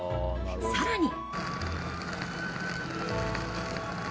更に。